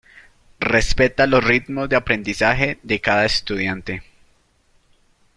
Respeta los ritmos de aprendizaje de cada estudiante.